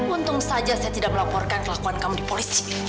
untung saja saya tidak melaporkan kelakuan kamu di polisi